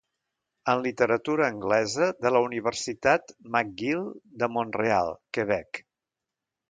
en literatura anglesa de la Universitat McGill de Mont-real, Quebec.